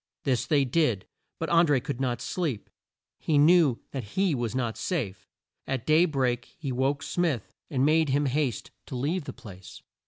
This they did, but An dré could not sleep. He knew that he was not safe. At day break he woke Smith, and made him haste to leave the place.